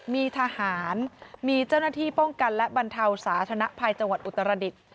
มีทหารมีเจ้าหน้าที่ป้องกันและบรรเทาสาธนภัยจังหวัดอุตรดิษฐ์